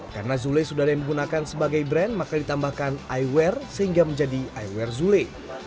karena zule sudah ada yang menggunakan sebagai brand maka ditambahkan eyewear sehingga menjadi eyewear zule